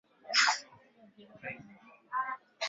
wasio Waislamu Imani ya aina hii iliwapa nguvu kweli na iliendelea